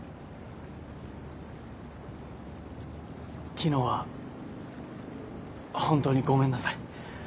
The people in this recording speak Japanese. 昨日は本当にごめんなさい。